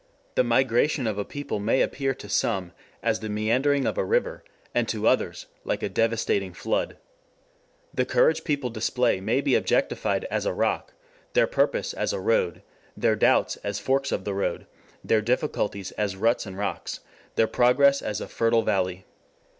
The migration of a people may appear to some as the meandering of a river, and to others like a devastating flood. The courage people display may be objectified as a rock; their purpose as a road, their doubts as forks of the road, their difficulties as ruts and rocks, their progress as a fertile valley.